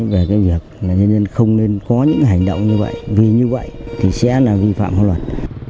về cái việc là nhân dân không nên có những hành động như vậy vì như vậy thì sẽ là vi phạm pháp luật